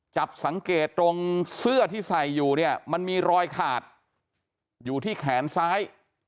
จับสังเกตตรงเสื้อที่ใส่อยู่เนี่ยมันมีรอยขาดอยู่ที่แขนซ้าย